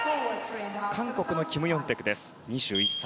韓国のキム・ヨンテク２４歳。